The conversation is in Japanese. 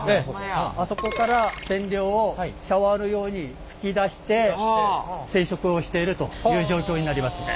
あそこから染料をシャワーのように噴き出して染色をしているという状況になりますね。